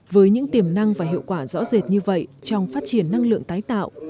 với những tiềm năng và hiệu quả rõ rệt như vậy trong phát triển năng lượng tái tạo